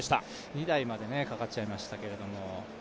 ２台までかかっちゃいましたけどね。